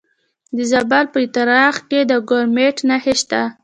د زابل په اتغر کې د کرومایټ نښې شته.